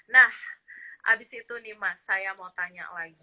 nah abis itu nih mas saya mau tanya lagi